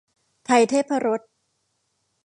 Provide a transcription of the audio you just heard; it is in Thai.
ไทยเทพรส